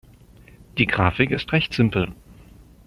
Die Grafik ist recht simpel.